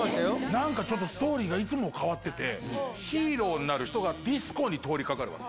なんかストーリーがいつも変わってて、ヒーローなる人が、ディスコに通りかかるわけ。